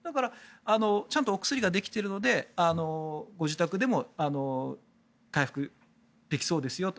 ちゃんとお薬ができているのでご自宅でも回復できそうですよと。